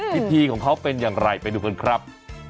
พิธีของเขาเป็นอย่างไรไปดูกันครับ